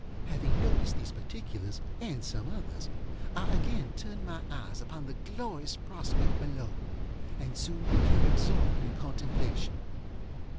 Having noticed these particulars, and some others, I again turned my eyes upon the glorious prospect below, and soon became absorbed in contemplation.